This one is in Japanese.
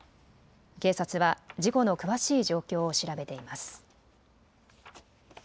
警察は事故の詳しい状況を調べています。